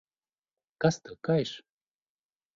Kas tev kaiš?